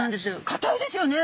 かたいですよね。